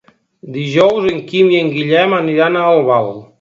Dijous en Quim i en Guillem aniran a Albal.